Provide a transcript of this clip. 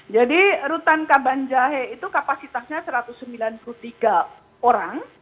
rutan kabanjahe itu kapasitasnya satu ratus sembilan puluh tiga orang